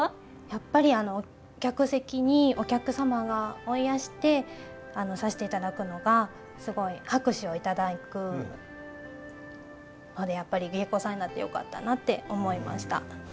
やっぱり客席にお客様がおいやしてさしていただくのがすごい拍手を頂くのでやっぱり芸妓さんになってよかったなって思いました。